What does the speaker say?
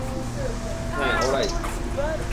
হ্যাঁ, ওরাই!